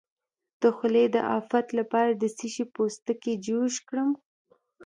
د خولې د افت لپاره د څه شي پوستکی جوش کړم؟